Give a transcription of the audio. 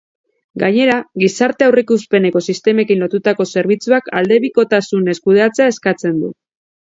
Gainera, gizarte aurreikuspeneko sistemekin lotutako zerbitzuak aldebikotasunez kudeatzea eskatzen du.